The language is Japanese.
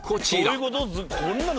どういうこと？